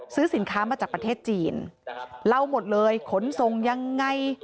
ซื้อสินค้ามาจากประเทศจีนเล่าหมดเลยขนส่งยังไง